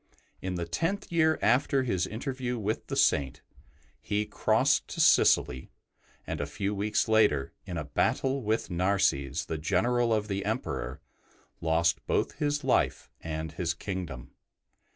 In the tenth year after his interview with the Saint, he crossed to Sicily, and a few weeks later, in a battle with Narses, the general of the Emperor, lost both his life and his kingdom.